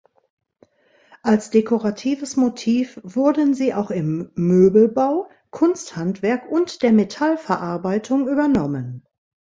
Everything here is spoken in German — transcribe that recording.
Als dekoratives Motiv wurden sie auch im Möbelbau, Kunsthandwerk und der Metallverarbeitung übernommen.